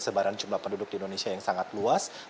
sebaran jumlah penduduk di indonesia yang sangat luas